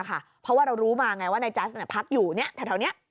เพราะว่าเรารู้มาไงว่านายจัสพักอยู่แถวนี้